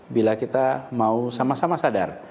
bila kita mau sama sama sadar